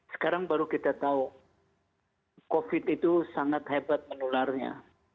sekarang baru kita tahu covid itu sangat hebat menularnya